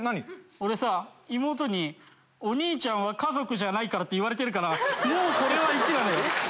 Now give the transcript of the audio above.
俺さ妹に「お兄ちゃんは家族じゃないから」って言われてるからもうこれは１なのよ。